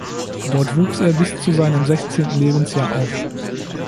Dort wuchs er bis zu seinem sechzehnten Lebensjahr auf.